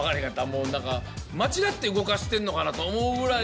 もう何か間違って動かしてんのかなと思うぐらい。